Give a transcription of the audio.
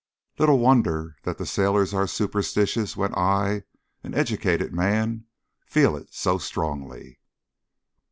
Little wonder that the poor sailors are superstitious when I, an educated man, feel it so strongly.